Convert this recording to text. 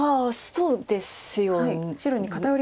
そうですよね。